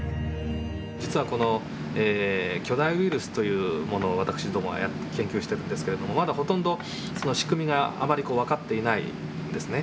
実はこの巨大ウイルスというものを私どもは研究してるんですけれどもまだほとんどその仕組みがあまり分かっていないんですね。